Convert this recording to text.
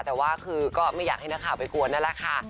แต่ว่าคือก็ไม่อยากให้นักข่าวไปกวนนั่นแหละค่ะ